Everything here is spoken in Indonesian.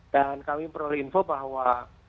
dan kami perlu info bahwa